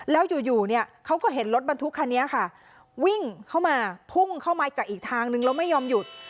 แล้วอยู่เนี่ยเขาก็เห็นรถบรรทุกคันนี้ค่ะวิ่งเข้ามาพุ่งเข้ามาจากอีกทางนึงแล้วไม่ยอมหยุด